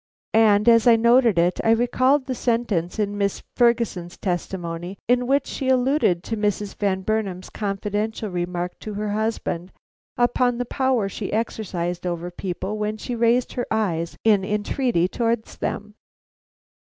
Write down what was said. And as I noted it, I recalled a sentence in Miss Ferguson's testimony, in which she alluded to Mrs. Van Burnam's confidential remark to her husband upon the power she exercised over people when she raised her eyes in entreaty towards them.